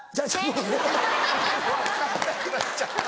・分かんなくなっちゃった